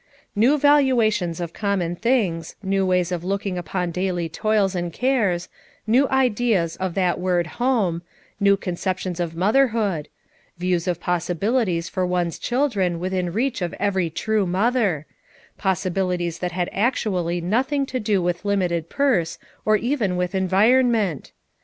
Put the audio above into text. New valuations of common things, new ways of looking upon daily toils and cares, new ideas of that word home, new conceptions of mother FOUR MOTHERS AT CHAUTAUQUA 301 hood; views of possibilities for one's children within reach of every true mother; possibilities that had actually nothing to do with limited purse, or even with environment!